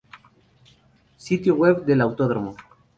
Sitio web del autódromo